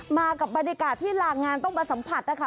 มากับบรรยากาศที่ลางงานต้องมาสัมผัสนะคะ